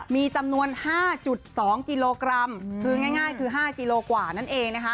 มีจำนวน๕๒กิโลกรัมคือง่ายคือ๕กิโลกว่านั่นเองนะคะ